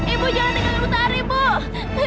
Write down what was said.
ibu jangan tinggalin utari bu